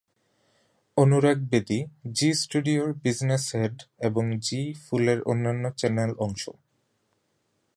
অনুরাগ বেদী জি স্টুডিওর business head এবং জি ফুলের অন্যান্য চ্যানেল অংশ।